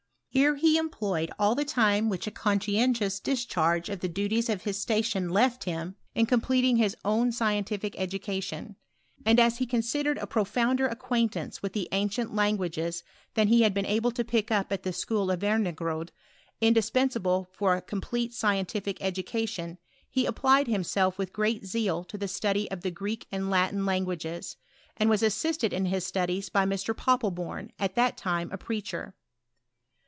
Here he employed all the time which a conscientious discharge of the duties of his station left him, in completing his own scientific education. And as he considered a pro founder acquaintance with the ancient languages, than he had been able to pick up at the sciiool of Wernigerode, indispensable for a complete scientific education, he applied himself with great zeal to the fitudy of the Greek and Latin languages, and was assisted in his studies by Mr. Poppelbourn, at that time a preacher.